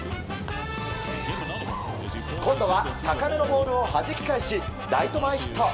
今度は高めのボールをはじき返しライト前ヒット。